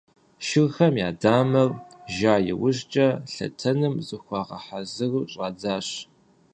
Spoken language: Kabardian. Шырхэм я дамэр жа иужькӀэ, лъэтэным зыхуагъэхьэзыру щӀадзащ.